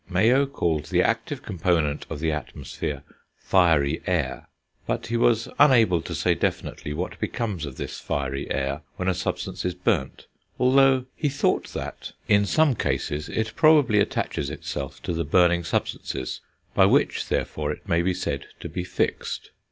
Mayow called the active component of the atmosphere fiery air; but he was unable to say definitely what becomes of this fiery air when a substance is burnt, although he thought that, in some cases, it probably attaches itself to the burning substances, by which, therefore, it may be said to be fixed.